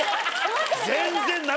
全然。